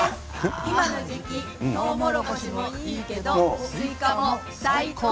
今の時期とうもろこしもいいけどスイカも最高！